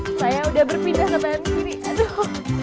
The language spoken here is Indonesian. hai saya udah berpindah ke band kiri aduh